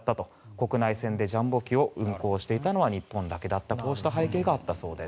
国内線でジャンボ機を運航していたのは日本だけだったとこうした背景があったそうです。